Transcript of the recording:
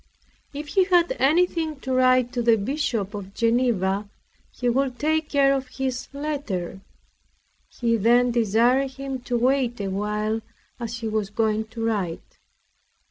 If he had anything to write to the Bishop of Geneva, he would take care of his letter. He then desired him to wait awhile, as he was going to write.